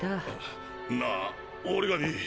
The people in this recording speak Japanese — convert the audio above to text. なあ折紙。